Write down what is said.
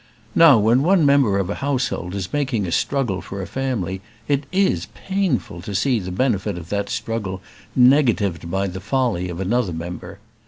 Now when one member of a household is making a struggle for a family, it is painful to see the benefit of that struggle negatived by the folly of another member.